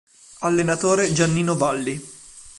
Allenatore Giannino Valli.